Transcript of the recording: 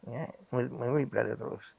ya memilih pidato terus